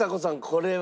これは。